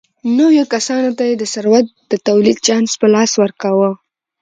نویو کسانو ته یې د ثروت د تولید چانس په لاس ورکاوه.